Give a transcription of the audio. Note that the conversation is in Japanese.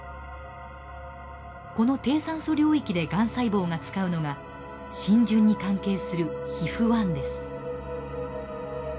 この低酸素領域でがん細胞が使うのが浸潤に関係するＨＩＦ−１です。